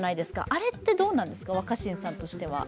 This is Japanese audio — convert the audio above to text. あれって、どうなんですか、若新さんとしては。